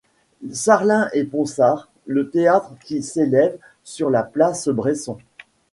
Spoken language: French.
Sarlin et Ponsard, le théâtre qui s'élève sur la place Bresson.